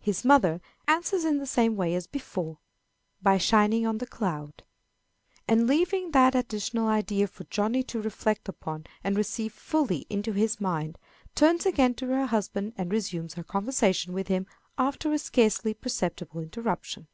His mother answers in the same way as before, "By shining on the cloud:" and, leaving that additional idea for Johnny to reflect upon and receive fully into his mind, turns again to her husband and resumes her conversation with him after a scarcely perceptible interruption.